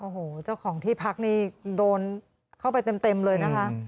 โอ้โหเจ้าของที่พักนี่โดนเข้าไปเต็มเลยนะคะ